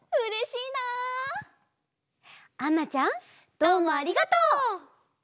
どうもありがとう！